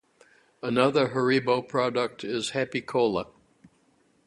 Another Haribo product is Happy Cola.